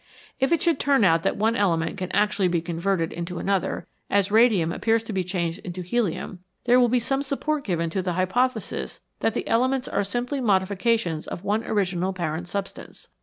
If it should turn out that one element can actually be converted into another, as radium appears to be changed into helium, there will be some support given to the hypothesis that the NATURE'S BUILDING MATERIAL elements are simply modifications of one original parent substance.